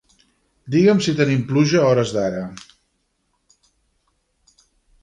Digue'm si tenim pluja a hores d'ara.